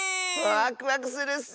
ワクワクするッス！